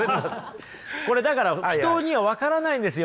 これだから人には分からないんですよね。